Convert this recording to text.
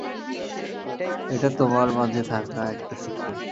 এটা তোমার মাঝে থাকা একটা শক্তি।